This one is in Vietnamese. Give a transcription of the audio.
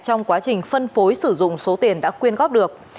trong quá trình phân phối sử dụng số tiền đã quyên góp được